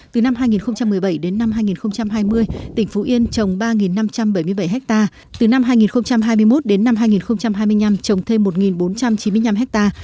từ năm hai nghìn một mươi bảy đến năm hai nghìn hai mươi tỉnh phú yên trồng ba năm trăm bảy mươi bảy ha từ năm hai nghìn hai mươi một đến năm hai nghìn hai mươi năm trồng thêm một bốn trăm chín mươi năm ha